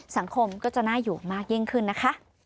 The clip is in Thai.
สังคมก็จะน่าอยู่มากยิ่งขึ้นนะคะ